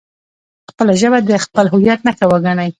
خپله ژبه د خپل هویت نښه وګڼئ.